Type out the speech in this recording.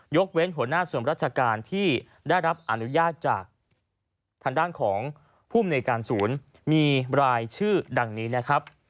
เว้นหัวหน้าส่วนราชการที่ได้รับอนุญาตจากทางด้านของภูมิในการศูนย์มีรายชื่อดังนี้นะครับ